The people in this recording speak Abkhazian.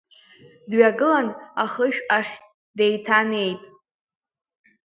Дҩагылан, ахышә ахь деиҭанеит.